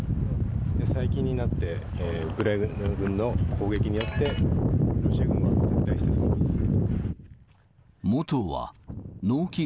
最近になって、ウクライナ軍の攻撃によって、ロシア軍は撤退したようです。